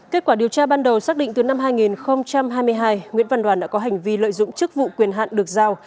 kết quả điều tra ban đầu xác định từ năm hai nghìn hai mươi hai nguyễn văn đoàn đã có hành vi lợi dụng chức vụ quyền hạn được giao